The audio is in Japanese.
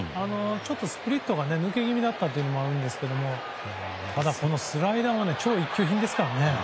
ちょっとスプリットが抜け気味だったのもあると思うんですがただ、スライダーも超一級品ですからね。